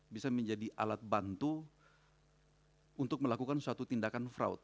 bisa menjadi alat bantu untuk melakukan suatu tindakan fraud